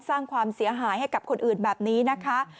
สร้างความเสียหายให้กับคนอื่นแบบนี้นะคะ